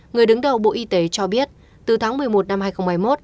người đứng đầu bộ y tế cho biết từ tháng một mươi một năm hai nghìn hai mươi một